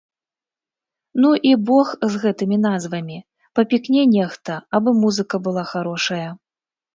Ну і бог з гэтымі назвамі, папікне нехта, абы музыка была харошая.